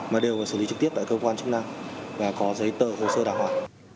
mà đều phải xử lý trực tiếp tại công an chức năng và có giấy tờ hồ sơ đảm hoạt